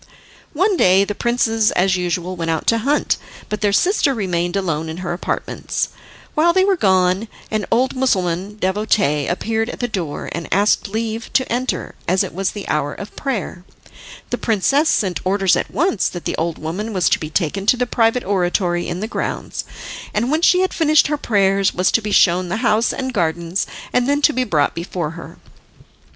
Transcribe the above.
One day the princes as usual went out to hunt, but their sister remained alone in her apartments. While they were gone an old Mussulman devotee appeared at the door, and asked leave to enter, as it was the hour of prayer. The princess sent orders at once that the old woman was to be taken to the private oratory in the grounds, and when she had finished her prayers was to be shown the house and gardens, and then to be brought before her.